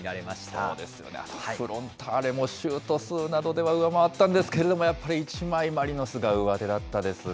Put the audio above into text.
そうですよね、フロンターレもシュート数などでは上回ったんですけれども、やっぱり一枚、マリノスが上手だったですね。